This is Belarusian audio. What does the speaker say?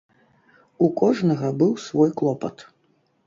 У кожнага быў свой клопат.